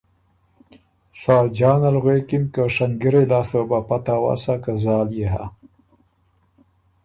ساجان ال غوېکِن که ”شنګِرئ لاسته وه بو ا پته اوَسا که زال يې هۀ۔